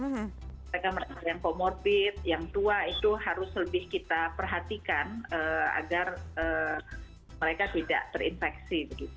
mereka mereka yang comorbid yang tua itu harus lebih kita perhatikan agar mereka tidak terinfeksi